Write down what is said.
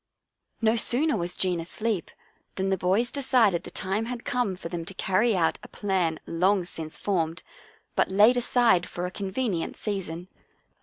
No sooner was Jean asleep than the boys de cided the time had come for them to carry out a plan long since formed, but laid aside for a convenient season.